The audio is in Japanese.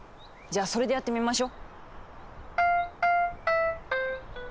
じゃあそれでやってみましょ。